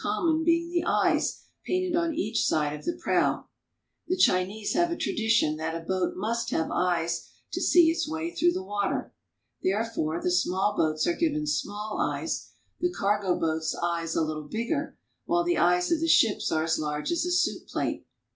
common being the eyes painted on each side of the prow. The Chinese have a tradition that a boat must have eyes to see A Beggars' Boat. its way through the water. Therefore the small boats are given small eyes, the cargo boats, eyes a little bigger, while the eyes of the ships are as large as a soup plate.